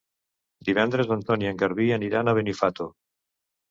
Divendres en Ton i en Garbí aniran a Benifato.